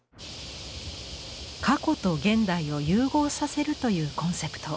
過去と現代を融合させるというコンセプト。